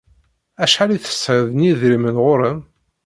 Acḥal i tesɛiḍ n yedrimen ɣur-m?